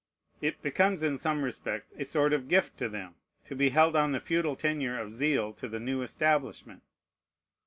It becomes in some respects a sort of gift to them, to be held on the feudal tenure of zeal to the new establishment.